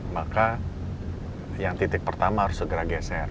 maka yang titik pertama harus segera geser